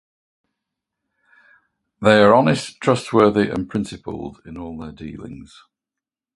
They are honest, trustworthy, and principled in all their dealings.